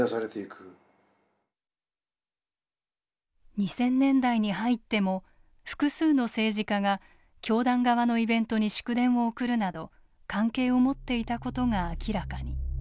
２０００年代に入っても複数の政治家が教団側のイベントに祝電を送るなど関係を持っていたことが明らかに。